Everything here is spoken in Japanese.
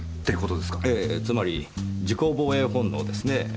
ええつまり自己防衛本能ですねぇ。